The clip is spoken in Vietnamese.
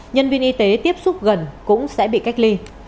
nhân viên y tế tiếp xúc gần cũng sẽ bị cách ly